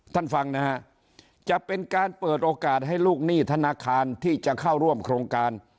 ฟังนะฮะจะเป็นการเปิดโอกาสให้ลูกหนี้ธนาคารที่จะเข้าร่วมโครงการ